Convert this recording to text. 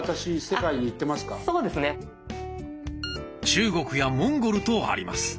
中国やモンゴルとあります。